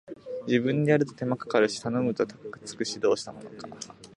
自分でやると手間かかるし頼むと高くつくし、どうしたものか